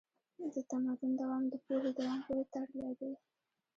د تمدن دوام د پوهې دوام پورې تړلی دی.